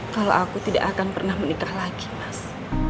kalau aku tidak akan pernah menikah lagi mas